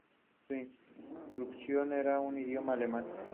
Su instrucción era en idioma alemán.